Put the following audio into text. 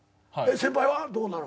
先輩はどうなの？